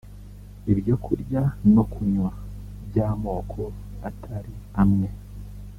ibyo kurya no kunywa by’amoko atari amwe